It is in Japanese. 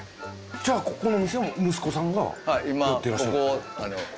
じゃあここの店は息子さんが打ってらっしゃる？